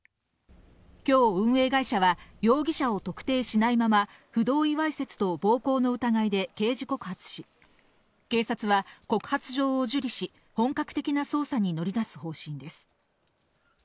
きょう運営会社は、容疑者を特定しないまま、不同意わいせつと暴行の疑いで刑事告発し、警察は告発状を受理し、本格的な捜査に乗り出す方針です。